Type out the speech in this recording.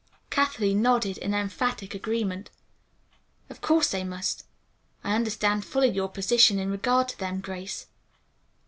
Kathleen nodded in emphatic agreement. "Of course they must. I understand fully your position in regard to them, Grace."